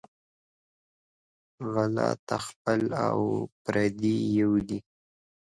غله ته خپل او پردي یو دى